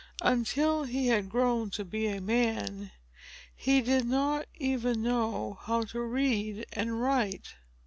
Until he had grown to be a man, he did not even know how to read and write.